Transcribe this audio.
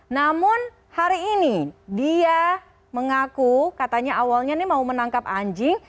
namun hari ini dia mengaku katanya awalnya ini mau menangkap anjing